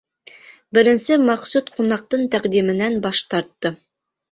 Беренсе Мәҡсүт ҡунаҡтың тәҡдименән баш тартты: